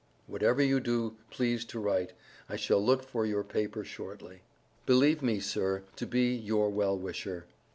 Whatever you do please to write. I shall look for you paper shortly. Believe me sir to be your well wisher.